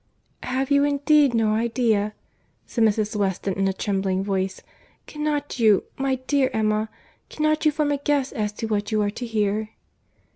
"Have you indeed no idea?" said Mrs. Weston in a trembling voice. "Cannot you, my dear Emma—cannot you form a guess as to what you are to hear?"